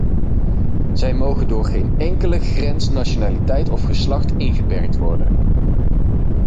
Zij mogen door geen enkele grens, nationaliteit of geslacht ingeperkt worden.